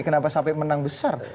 kenapa sampai menang besar